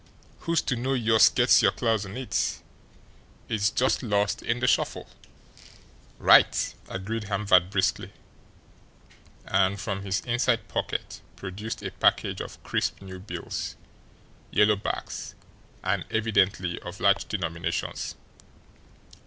Who's ter know youse gets yer claws on it? It's just lost in de shuffle." "Right!" agreed Hamvert briskly and from his inside pocket produced a package of crisp new bills, yellow backs, and evidently of large denominations.